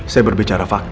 saya berbicara fakta